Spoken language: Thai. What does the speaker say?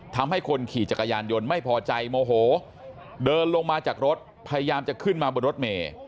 ทำให้คนขี่จักรยานยนต์ไม่พอใจโมโหเดินลงมาจากรถพยายามจะขึ้นมาบนรถเมย์